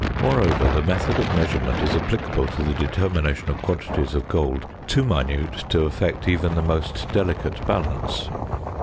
Moreover, the method of measurement is applicable to the determination of quantities of gold too minute to affect even the most delicate balance.